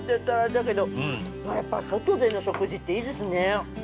◆やっぱり外での食事っていいですね。